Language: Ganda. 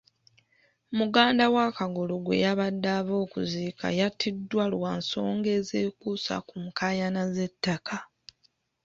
Muganda wa Kagolo gwe yabadde ava okuziika yattiddwa lwa nsonga ezekuusa ku nkaayana z'ettaka.